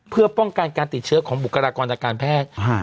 เพื่อป้องกันการติดเชื้อของบุคลากรทางการแพทย์